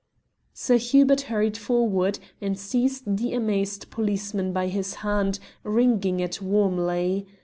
Sir Hubert hurried forward, and seized the amazed policeman by his hand, wringing it warmly.